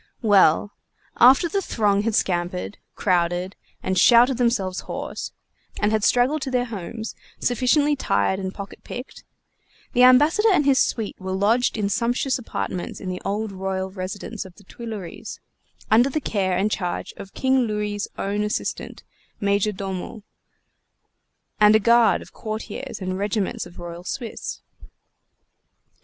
Well, after the throng had scampered, crowded, and shouted themselves hoarse, and had straggled to their homes, sufficiently tired and pocket picked, the Ambassador and his suite were lodged in sumptuous apartments in the old royal residence of the Tuileries, under the care and charge of King Louis' own assistant Major Domo and a guard of courtiers and regiments of Royal Swiss.